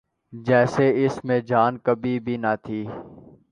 جیسے اس میں جان کبھی بھی نہ تھی۔